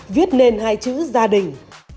viết nên hai chữ gia đình